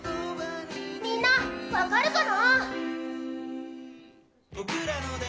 みんな、分かるかな？